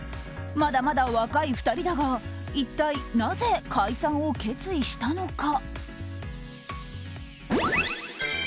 まだまだ若い２人だが一体なぜ解散を決意したのか。